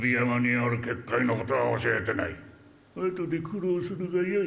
あとで苦労するが良い。